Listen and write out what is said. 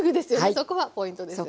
そこはポイントですよね。